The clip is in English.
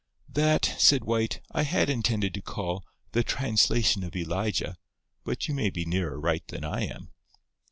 "That," said White, "I had intended to call 'The Translation of Elijah,' but you may be nearer right than I am."